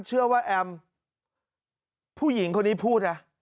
เชื่อว่าแอมผู้หญิงคนนี้พูดนะ